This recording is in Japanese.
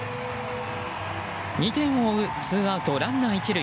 ２点を追うツーアウト、ランナー１塁。